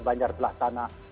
banjar belah tanah